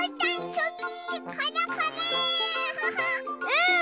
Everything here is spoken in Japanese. うん！